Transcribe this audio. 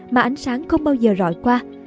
mà ánh sáng không bao giờ rọi qua